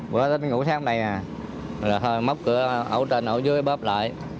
bữa đó tính ngủ sáng đây à rồi thôi móc cửa ổ trên ổ dưới bóp lại